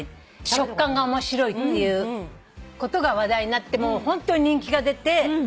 食感が面白い」っていうことが話題になってホントに人気が出て。